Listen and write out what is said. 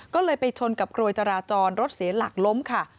ก็เลยไปชนกับกรวยจราจรรถเสียหลักล้มค่ะ